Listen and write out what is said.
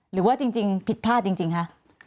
หรือว่าจริงผิดพลาดจริงคะ